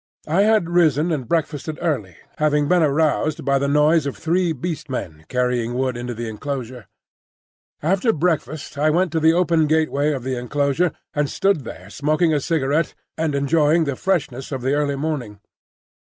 I had risen and breakfasted early, having been aroused by the noise of three Beast Men carrying wood into the enclosure. After breakfast I went to the open gateway of the enclosure, and stood there smoking a cigarette and enjoying the freshness of the early morning.